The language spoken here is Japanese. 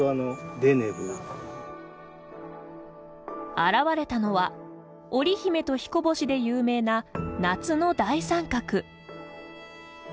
現れたのはおりひめと、ひこ星で有名な夏の大三角。